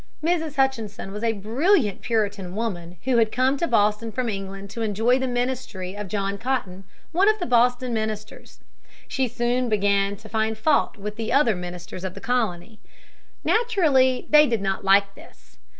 Mrs. Hutchinson was a brilliant Puritan woman who had come to Boston from England to enjoy the ministry of John Cotton, one of the Boston ministers. She soon began to find fault with the other ministers of the colony. Naturally, they did not like this.